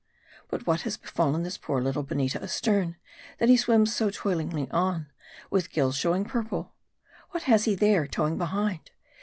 But what has, befallen this poor little Boneeta astern, that he swims so toilingly on, with gills showing purple ? What has he there, towing behind